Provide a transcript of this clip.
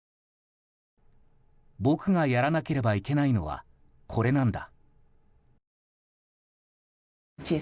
僕がやらなければいけないのはこれなんだ。